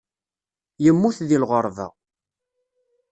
Yemmut deg lɣerba.